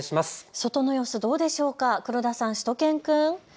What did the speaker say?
外の様子、どうでしょうか黒田さん、しゅと犬くん。